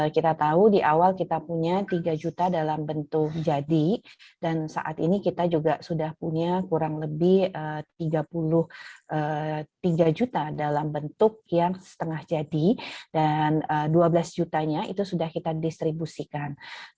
kita tahu di awal kita punya tiga juta dalam bentuk jadi dan saat ini kita juga sudah punya kurang lebih tiga puluh tiga juta dalam bentuk yang setengah jadi dan dua belas jutanya itu sudah kita distribusikan